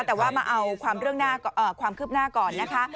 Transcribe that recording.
แต่ว่ามาเอาความคืบหน้าก่อนนะคะ